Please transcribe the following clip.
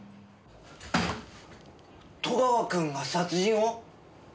戸川君が殺人を？